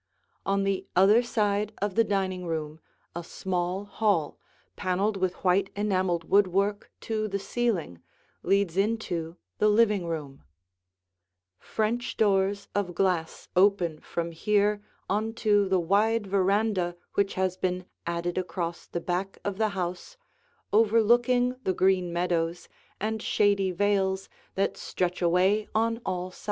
On the other side of the dining room a small hall, paneled with white enameled woodwork to the ceiling, leads into the living room. [Illustration: The Living Room] French doors of glass open from here on to the wide veranda which has been added across the back of the house, overlooking the green meadows and shady vales that stretch away on all sides.